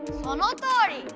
そのとおり。